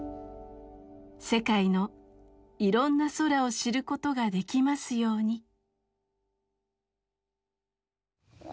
世界のいろんな空を知ることができますように。